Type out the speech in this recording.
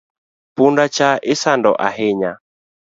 Punda cha isando ahinya